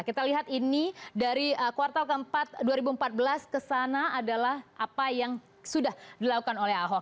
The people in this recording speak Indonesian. kita lihat ini dari kuartal keempat dua ribu empat belas kesana adalah apa yang sudah dilakukan oleh ahok